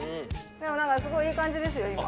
でもなんかすごいいい感じですよ今。